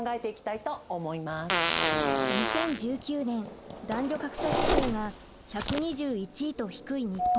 ２０１９年男女格差指数が１２１位と低い日本。